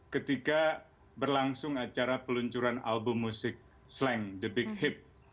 ketika berlangsung acara peluncuran album musik slang the big hip